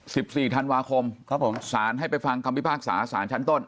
สิบสี่ธันวาคมครับผมสารให้ไปฟังคำพิพากษาสารชั้นต้น